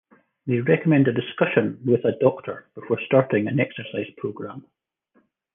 They recommend a discussion with a doctor before starting an exercise program.